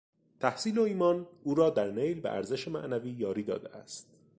تحصیل و ایمان، او را در نیل به ارزش معنوی یاری داده است.